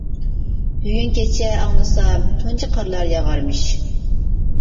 بۈگۈن كېچە ئاڭلىسام، تۇنجى قارلار ياغارمىش.